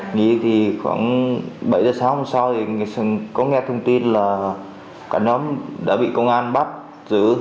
nghi thì khoảng bảy giờ sáng hôm sau thì có nghe thông tin là cả nhóm đã bị công an bắt giữ